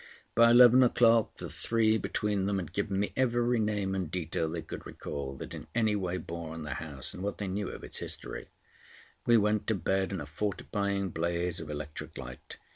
By eleven o'clock the three between them had given me every name and detail they could recall that in any way bore on the house, and what they knew of its history. We went to bed in a fortifying blaze of electric light.